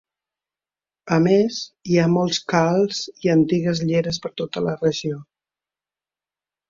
A més, hi ha molts Khals i antigues lleres per tota la regió.